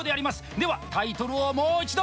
では、タイトルをもう一度。